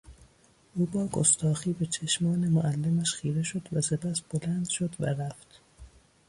او با گستاخی به چشمان معلمش خیره شد و سپس بلند شد و رفت.